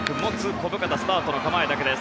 小深田スタートの構えだけです。